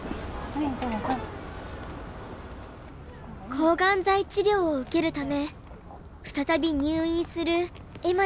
抗がん剤治療を受けるため再び入院する恵麻ちゃん。